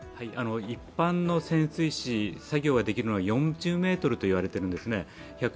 一般の潜水士、作業ができるのは４０ｍと言われているんですね。